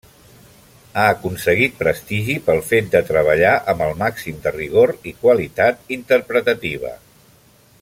Ha aconseguit prestigi pel fet de treballar amb el màxim de rigor i qualitat interpretativa.